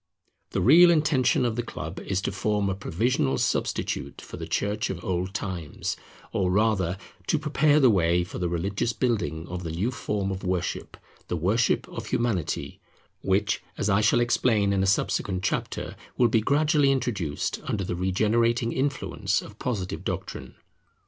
The real intention of the Club is to form a provisional substitute for the Church of old times, or rather to prepare the way for the religious building of the new form of worship, the worship of Humanity; which, as I shall explain in a subsequent chapter, will be gradually introduced under the regenerating influence of Positive doctrine.